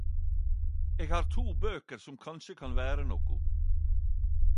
Eg har to bøker som kanskje kan vere noko.